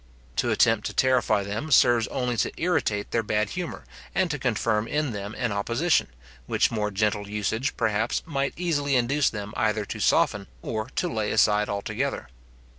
To attempt to terrify them, serves only to irritate their bad humour, and to confirm them in an opposition, which more gentle usage, perhaps, might easily induce them either to soften, or to lay aside altogether.